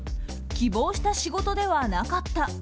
希望した仕事ではなかった。